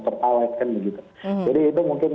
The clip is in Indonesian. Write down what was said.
pertalite kan begitu jadi itu mungkin